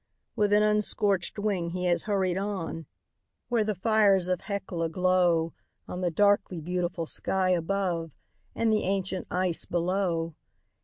With an unscorched wing he has hurried on, where the fires of Hecla glow On the darkly beautiful sky above and the ancient ice below.